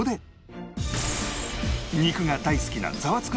肉が大好きな『ザワつく！』